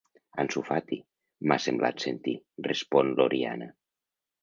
Ansu Fati, m'ha semblat sentir —respon l'Oriana.